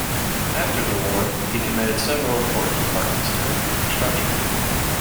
After the war, he commanded several important departments during Reconstruction.